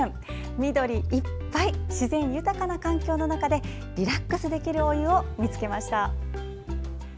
緑いっぱい自然豊かな環境の中でリラックスできるお湯を見つけました。